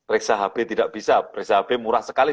reksa hb tidak bisa reksa hb murah sekali